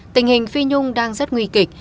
tình hình phi nhung đang rất nguy kịch